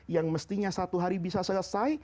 yang mestinya satu hari bisa selesai